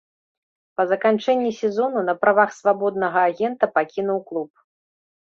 Па заканчэнні сезону на правах свабоднага агента пакінуў клуб.